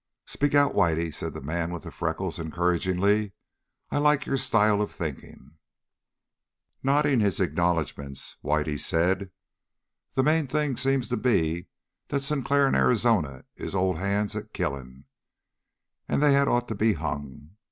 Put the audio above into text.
"Speak out, Whitey," said the man with the freckles encouragingly. "I like your style of thinking." Nodding his acknowledgments, Whitey said: "The main thing seems to be that Sinclair and Arizona is old hands at killing. And they had ought to be hung.